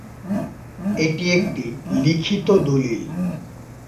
এটি একটি লিখিত দলিল।